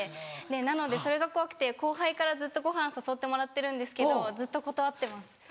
なのでそれが怖くて後輩からずっとごはん誘ってもらってるんですけどずっと断ってます。